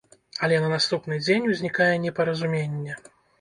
Але на наступны дзень узнікае непаразуменне.